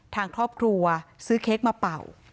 ทางครอบครัวซื้อเค้กมาเป่า